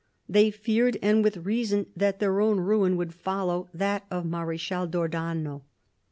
They feared, and with reason, that their own ruin would follow that of the Marechal d'Ornano.